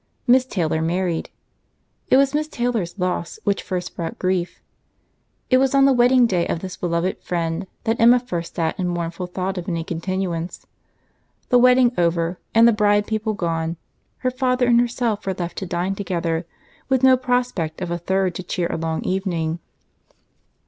—Miss Taylor married. It was Miss Taylor's loss which first brought grief. It was on the wedding day of this beloved friend that Emma first sat in mournful thought of any continuance. The wedding over, and the bride people gone, her father and herself were left to dine together, with no prospect of a third to cheer a long evening.